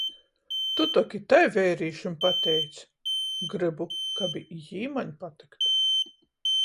- Tu tok i tai veirīšim pateic... - Grybu, kab i jī maņ patyktu!